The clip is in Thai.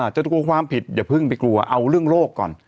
กลัวความผิดอย่าเพิ่งไปกลัวเอาเรื่องโลกก่อน